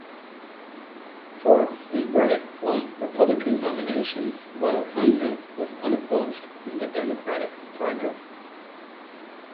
Forbes and Burdick won Republican nominations while Hyndman was unopposed in the Democratic primary.